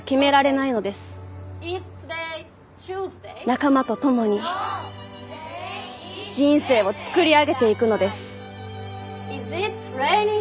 仲間とともに人生を作り上げていくのです。